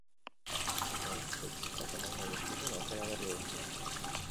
Aprobetxatu bizitzak emango dizkizun aukera berri guztiak.